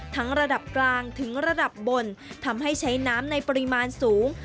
ทั้งระดับกลางถึงระดับบนทำให้ใช้น้ำในปริมาณสูง